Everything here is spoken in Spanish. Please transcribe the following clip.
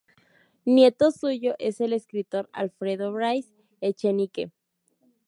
Nieto suyo es el escritor Alfredo Bryce Echenique.